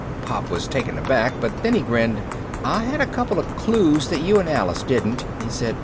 Pop was taken aback, but then he grinned. "I had a couple of clues that you and Alice didn't," he said.